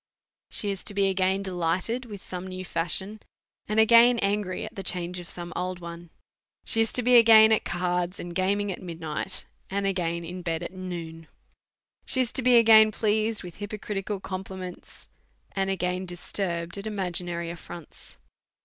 She is to be again delighted with sonic new fashion. 140 A SERIOUS CALL TO A and again angry at the change of some old one. She is to be again at cards, and gaming at midnight, and again in bed at noon. She is to be again pleased with hypocritical compliments, and again disturbed with imaginary affronts.